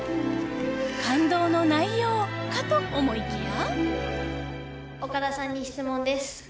感動の内容かと思いきや。